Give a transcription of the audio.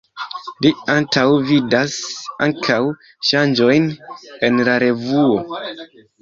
Li antaŭvidas ankaŭ ŝanĝojn en la revuo.